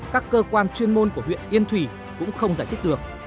các cơ quan chuyên môn của huyện yên thủy cũng không giải thích được